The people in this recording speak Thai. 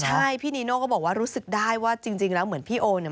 ใช่พี่นีโน่ก็บอกว่ารู้สึกได้ว่าจริงแล้วเหมือนพี่โอเนี่ย